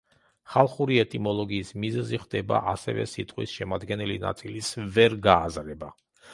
ხალხური ეტიმოლოგიის მიზეზი ხდება ასევე სიტყვის შემადგენელი ნაწილის ვერ გააზრება.